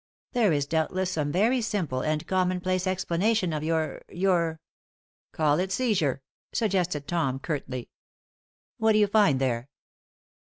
There is doubtless some very simple and commonplace explanation of your your " "Call it seizure," suggested Tom, curtly. "What do you find there?"